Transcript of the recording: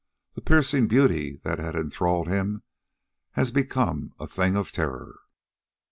The piercing beauty that had enthralled him has become a thing of terror.